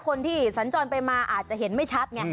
คนที่สัญจรไปมาอาจจะเห็นไม่ชัดไง